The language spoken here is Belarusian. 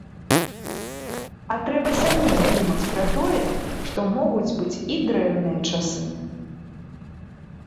А трэба самім думаць пра тое, што могуць быць і дрэнныя часы.